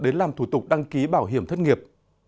đến làm thủ tục đăng ký bảo hiểm thất nghiệp